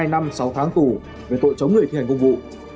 hai năm sáu tháng tù về tội chống người thi hành công vụ